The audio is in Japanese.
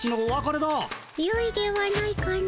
よいではないかの。